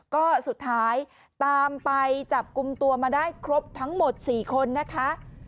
ก็สุดท้ายตามไปจับกลุ่มตัวมาได้ครบทั้งหมด๔คนนะคะ